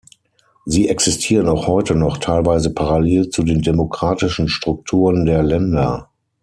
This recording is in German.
Sie existieren auch heute noch teilweise parallel zu den demokratischen Strukturen der Länder.